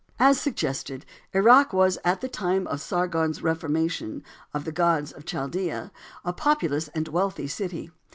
As suggested, Erech was at the time of Sargon's reformation of the gods of Chaldea, a populous and wealthy city.